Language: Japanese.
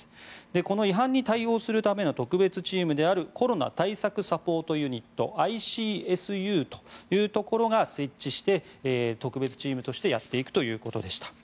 この違反に対応するための特別チームであるコロナ対策サポートユニットＩＣＳＵというところが設置して、特別チームとしてやっていくということです。